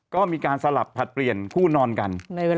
ก็มีการสลับผลัดเปลี่ยนคู่นอนกัน